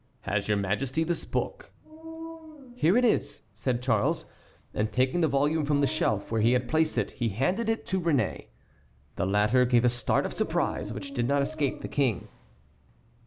"Has your Majesty this book?" "Here it is," said Charles, and, taking the volume from the shelf where he had placed it, he handed it to Réné. The latter gave a start of surprise which did not escape the King.